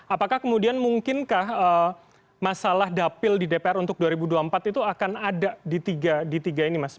apakah kemudian mungkinkah masalah dapil di dpr untuk dua ribu dua puluh empat itu akan ada di tiga ini mas